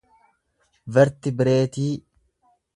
vertibireetii